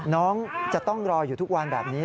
น้องจะต้องรออยู่ทุกวันแบบนี้